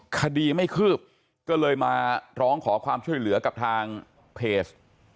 คดีไม่คืบก็เลยมาร้องขอความช่วยเหลือกับทางเพจ